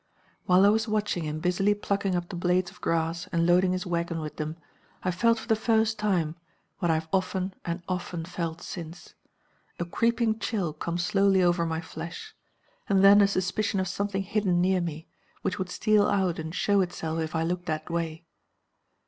While I was watching him busily plucking up the blades of grass and loading his wagon with them, I felt for the first time what I have often and often felt since a creeping chill come slowly over my flesh, and then a suspicion of something hidden near me, which would steal out and show itself if I looked that way.